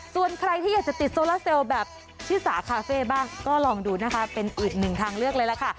ส่วนใครที่อยากจะติดโซลาเซลแบบชิสาคาเฟ่บ้างก็ลองดูนะคะเป็นอีกหนึ่งทางเลือกเลยล่ะค่ะ